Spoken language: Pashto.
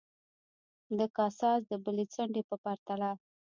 د کاساس د بلې څنډې په پرتله.